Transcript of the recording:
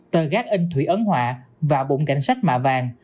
tờ gác in thủy ấn họa và bụng cảnh sách mạ vàng